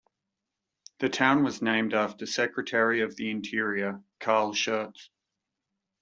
The town was named after Secretary of the Interior Carl Schurz.